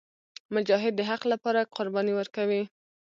مجاهد د حق لپاره قرباني ورکوي.